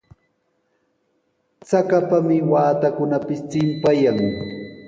Chakapami waatakunapis chimpayan.